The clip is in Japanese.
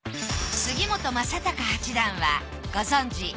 杉本昌隆八段はご存じ